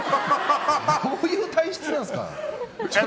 どういう体質なんですか。